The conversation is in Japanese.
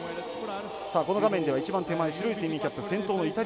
この画面では一番手前白いスイミングキャップ